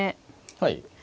はい。